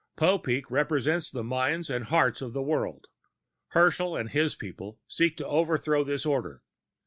"Popeek represents the minds and hearts of the world. Herschel and his people seek to overthrow this order.